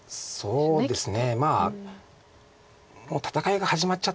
そうですね。